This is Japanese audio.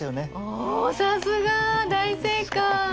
おおさすが大正解！